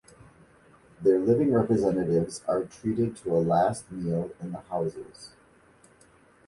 Their living representatives are treated to a last meal in the houses.